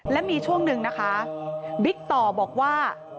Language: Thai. และมีช่วงหนึ่งนะคะบิ๊กต่อบอกว่า